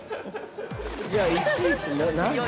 ◆じゃあ、１位って何？